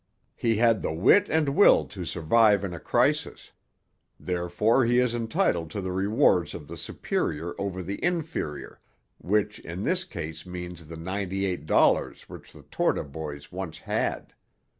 He had the wit and will to survive in a crisis; therefore he is entitled to the rewards of the superior over the inferior, which in this case means the ninety eight dollars which the Torta boys once had.